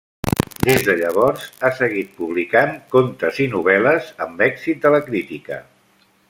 Des de llavors ha seguit publicant contes i novel·les, amb èxit de la crítica.